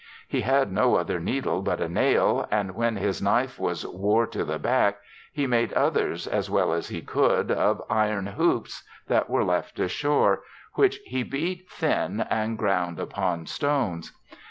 He had no other needle but a nail, and when his knife was wore to the back, he made others as well as he could of iron hoops that'were left ashore, which he beat thin and ground upon stones.